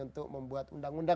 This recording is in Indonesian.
untuk membuat undang undang